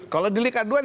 kalau delik aduan